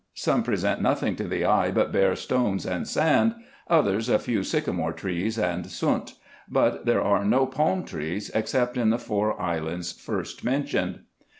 Some present nothing to the eye but bare stones and sand ; others a few sycamore trees and sunt ; but there are no palm trees, except in the four islands first mentioned.